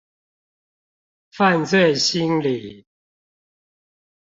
犯罪心理